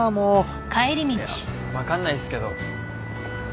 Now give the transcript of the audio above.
いや分かんないっすけど。